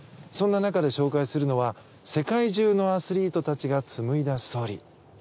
そんな中で紹介するのは世界中のアスリートたちが紡いだストーリー。